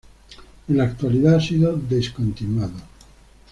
En la actualidad, ha sido descontinuado.